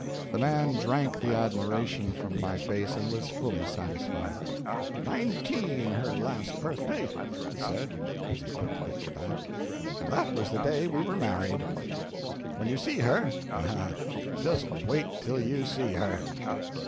The man drank the admiration from my face, and was fully satisfied. "Nineteen her last birthday," he said, as he put the picture back; "and that was the day we were married. When you see her ah, just wait till you see her!"